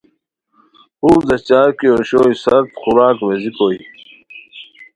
خور ځیہچار کی اوشوئے سرد خوراک ویزی کوئے